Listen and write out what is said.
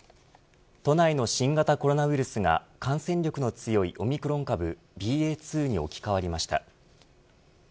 都内の新型コロナウイルスが感染力の強いオミクロン株ＢＡ．２に置き換わりました。